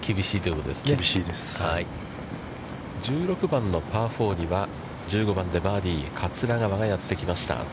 １６番のパー４には１５番でバーディー、桂川がやってきました。